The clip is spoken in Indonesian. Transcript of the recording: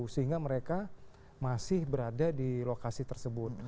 sehingga mereka masih berada di lokasi tersebut